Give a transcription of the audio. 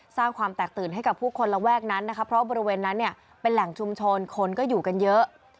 สร้างความแตกตื่นให้กับผู้คนระแวกนั้นนะคะเพราะบริเวณนั้นเนี่ยเป็นแหล่งชุมชนคนก็อยู่กันเยอะ